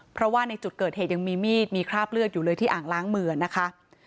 เพราะว่าในจุดเกิดเหตุยังมีมีดมีคราบเลือดอยู่เลยที่อ่างล้างมือนะคะ